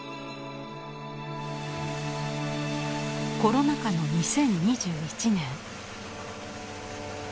コロナ禍の２０２１年。